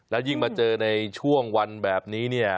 แล้วยิ่งมาเจอในช่วงวันแบบนี้เนี่ย